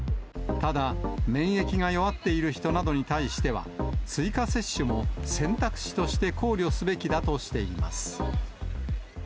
ただ、免疫が弱っている人などに対しては、追加接種も選択肢として考慮すべきだとしています。